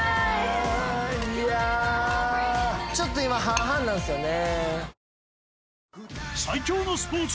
いやちょっと今半々なんすよね